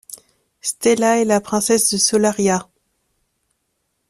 Stella est la princesse de Solaria.